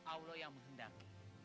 allah yang menghendaki